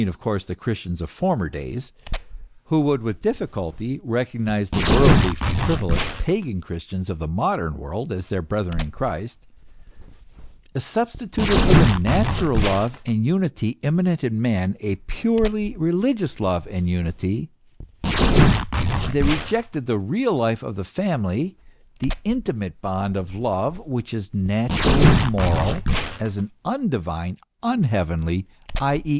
69 of course the Christians of former days, who would with diffi culty recognise the worldly, frivolous, pagan Christians of the modern world as their brethren in Christ substituted for the natural love and unity immanent in man, a purely religious love and unity; they rejected the real life of the family, the intimate bond of love which is naturally moral, as an undivine, unheavenly, i. e.